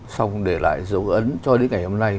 xong để lại dấu ấn cho đến ngày hôm nay